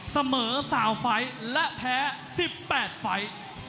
เสมอสาวฟัยและแพ้๑๘ฟัย